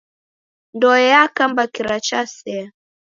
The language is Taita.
Ndoe yakamba kira chasea.